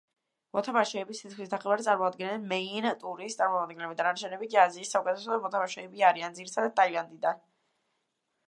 მოთამაშეების თითქმის ნახევარს წარმოადგენენ მეინ-ტურის წარმომადგენლები, დანარჩენები კი აზიის საუკეთესო მოთამაშეები არიან, ძირითადად ტაილანდიდან.